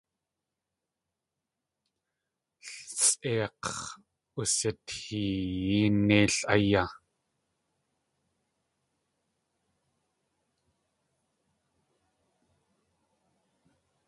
L sʼeik̲x̲ usiteeyi neil áyá.